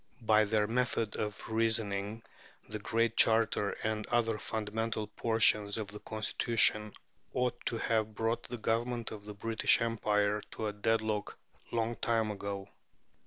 By their method of reasoning the Great Charter and other fundamental portions of the Constitution ought to have brought the Government of the British Empire to a deadlock long ago.